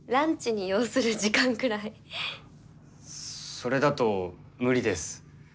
それだと無理です。